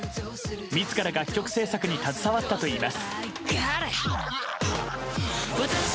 自ら楽曲制作に携わったといいます。